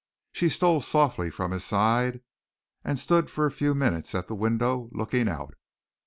She stole softly from his side, and stood for a few minutes at the window, looking out.